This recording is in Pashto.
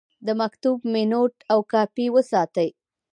د مکتوب مینوټ او کاپي وساتئ.